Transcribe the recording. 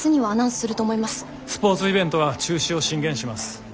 スポーツイベントは中止を進言します。